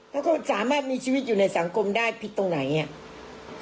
แล้วก็สามารถมีชีวิตอยู่ในสังคมได้ผิดตรงไหนอ่ะ